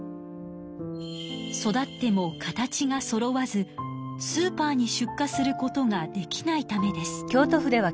育っても形がそろわずスーパーに出荷することができないためです。